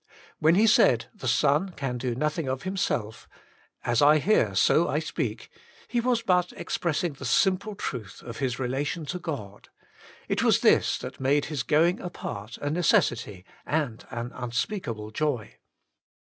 When He said :" the Son can do nothing of Him self,^' "as I hear so I speak," He was but ex pressing the simple truth of His relation to God; it was this that made His going apart a necessity and an unspeakable joy.